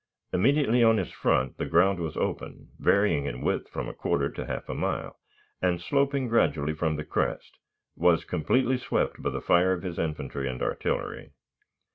Immediately in his front the ground was open, varying in width from a quarter to half a mile, and, sloping gradually from the crest, was completely swept by the fire of his infantry and artillery.